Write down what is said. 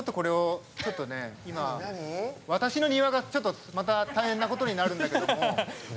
今、私の庭がまた、大変なことになるんだけど。